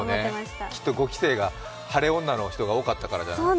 そうね、きっと５期生が晴れ女の人が多かったからじゃない？